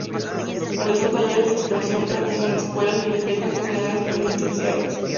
Realiza talleres de expresión creativa en escuelas, bibliotecas y unidades penitenciarias.